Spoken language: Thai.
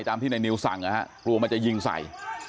ตามที่ในนิวสั่งนะฮะกลัวมันจะยิงใส่